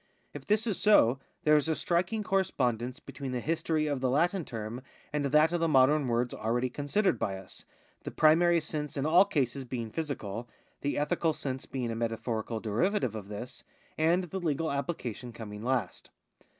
If this is so, there is a striking correspondence between the history of the Latin term and that of the modem words already considered by us, the primary sense in all cases being physical, the ethical sense being a metaphorical derivative of this, and the legal application coming last.